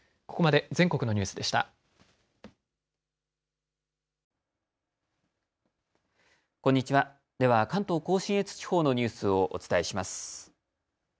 では関東甲信越地方のニュースをお伝えします。